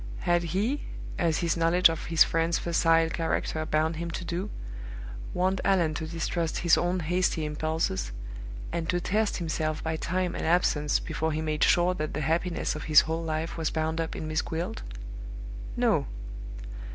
Had he as his knowledge of his friend's facile character bound him to do warned Allan to distrust his own hasty impulses, and to test himself by time and absence, before he made sure that the happiness of his whole life was bound up in Miss Gwilt? No.